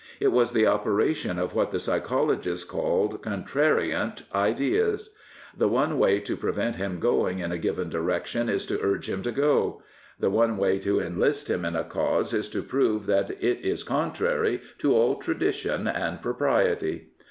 It was the operation of what the psychologists call " contrarient ideas." The one way to prevent him goingTn a given direction is to urge him to go. The one way to enlist him in a cause is to prove that it is contrary to all tradition and propriety.